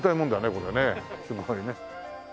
これねすごいね。